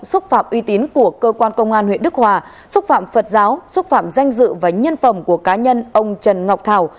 xúc phạm uy tín của cơ quan công an huyện đức hòa xúc phạm phật giáo xúc phạm danh dự và nhân phẩm của cá nhân ông trần ngọc thảo